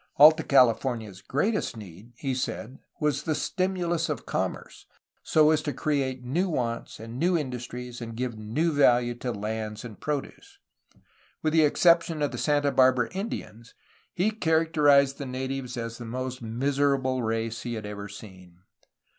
Alta California's greatest need, he said, was the stimulus of commerce, so as to create new wants and new industries and give a new value to lands and produce. With the exception of the Santa Barbara Indians he characterized the natives as the most miserable race he had ever seen.